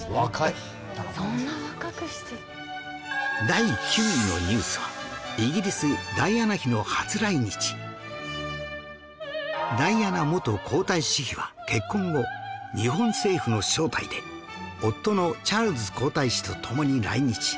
第９位のニュースはイギリスダイアナ元皇太子妃は結婚後日本政府の招待で夫のチャールズ皇太子と共に来日